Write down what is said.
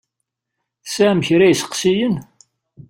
Tesεam kra n yisteqsiyen?